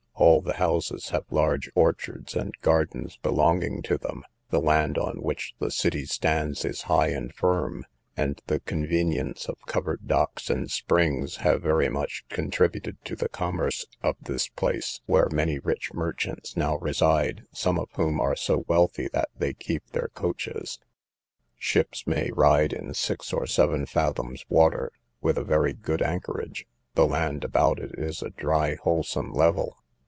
All the houses have large orchards and gardens belonging to them; the land on which the city stands is high and firm, and the convenience of covered docks and springs have very much contributed to the commerce of this place, where many rich merchants now reside, some of whom are so wealthy that they keep their coaches. Ships may ride in six or seven fathoms water, with a very good anchorage; the land about it is a dry wholesome level.